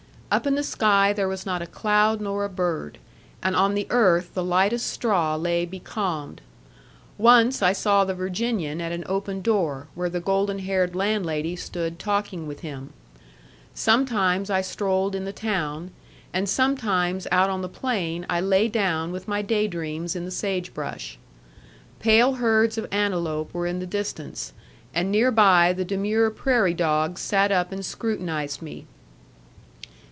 Up in the sky there was not a cloud nor a bird, and on the earth the lightest straw lay becalmed. Once I saw the Virginian at an open door, where the golden haired landlady stood talking with him. Sometimes I strolled in the town, and sometimes out on the plain I lay down with my day dreams in the sagebrush. Pale herds of antelope were in the distance, and near by the demure prairie dogs sat up and scrutinized me.